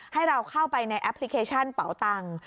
ให้เราเข้าไปในแอปพลิเคชันเป่าตังค์